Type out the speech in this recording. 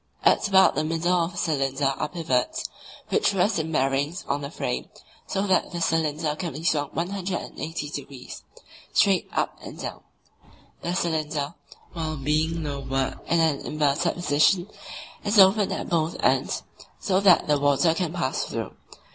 At about the middle of the cylinder are pivots, which rest in bearings on the frame, so that the cylinder can be swung 180 degrees (straight up and down). The cylinder, while being lowered in an inverted position, is open at both ends, so that the water can pass through.